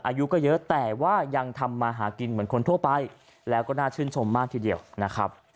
อายุก็เยอะแต่ว่ายังทำมาหากินเหมือนคนทั่วไปแล้วก็น่าชื่นชมมากทีเดียวนะครับ